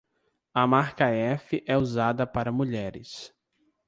A marca F é usada para mulheres.